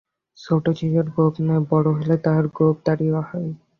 ছোট শিশুর গোঁফ নাই, বড় হইলে তাহার গোঁফ-দাড়ি হয়।